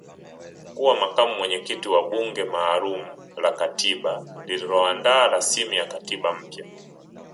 kuwa makamu mwenyekiti wa bunge maalum la katiba lililoandaa rasimu ya katiba mpya